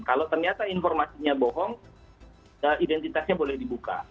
kalau ternyata informasinya bohong identitasnya boleh dibuka